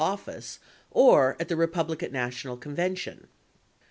office or at the Republican National Convention.